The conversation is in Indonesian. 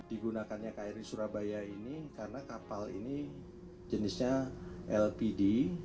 kami menggunakannya dari surabaya ini karena kapal ini jenisnya lpd